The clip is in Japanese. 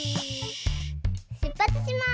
しゅっぱつします！